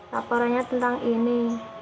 laporannya tentang ini